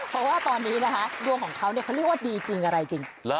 เพราะว่าตอนนี้นะคะดวงของเขาเขาเรียกว่าดีจริงอะไรจริง